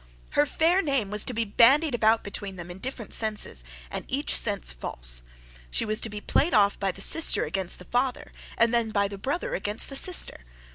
Her fair name was to bandied about between them in different senses, and each sense false. She was to played off by the sister against the father; and then by the brother against the sister.